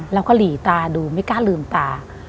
เราก็หลีตาดูไม่กล้าลืมตา